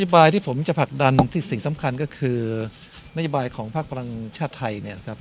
บายที่ผมจะผลักดันที่สิ่งสำคัญก็คือนโยบายของพักพลังชาติไทยเนี่ยนะครับ